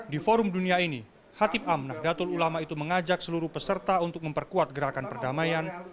di forum dunia ini khatib amnah datul ulama itu mengajak seluruh peserta untuk memperkuat gerakan perdamaian